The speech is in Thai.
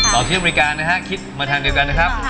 ต่อที่อเมริกานะฮะคิดมาทางเดียวกันนะครับ